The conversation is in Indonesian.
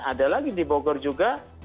ada lagi di bogor juga